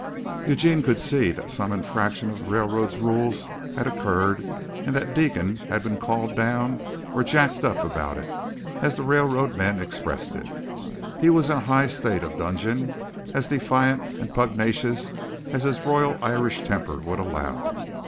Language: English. Eugene could see that some infraction of the railroad's rules had occurred and that Deegan had been "called down," or "jacked up" about it, as the railroad men expressed it. He was in a high state of dudgeon as defiant and pugnacious as his royal Irish temper would allow.